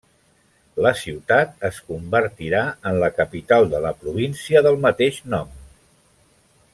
La ciutat es convertirà en la capital de la província del mateix nom.